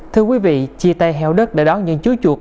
thưa quý vị chi tay heo đất đã đón những chú chuột